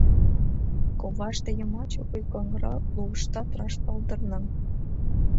Коваште йымач вуйкоҥра луыштат раш палдырна.